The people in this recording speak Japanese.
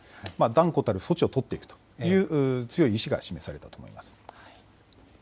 断固たる措置を取っていくという強い意志が示されたと思います。